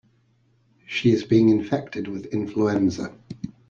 She is being infected with influenza.